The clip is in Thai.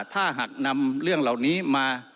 ถ้าหากนำเรื่องเหล่านี้มา